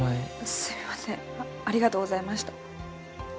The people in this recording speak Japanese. すみませんありがとうございました